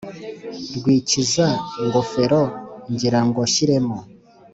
rwikwiza-ngofero ngira ngo nshyiremo